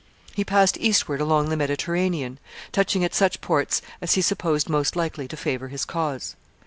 He passed eastward along the Mediterranean, touching at such ports as he supposed most likely to favor his cause.